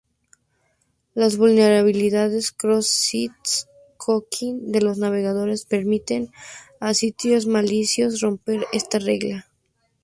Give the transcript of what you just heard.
Las vulnerabilidades "cross-site cooking" de los navegadores permiten a sitios maliciosos romper esta regla.